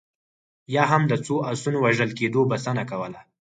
یا هم د څو اسونو وژل کېدو بسنه کوله.